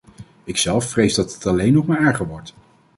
Ikzelf vrees dat het alleen nog maar erger wordt.